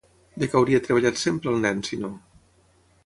De què hauria treballat sempre el nen, si no?